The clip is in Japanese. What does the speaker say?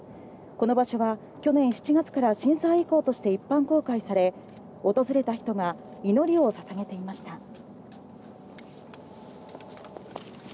この場所は去年７月から震災遺構として一般公開され、訪れた人が祈りをささげていました。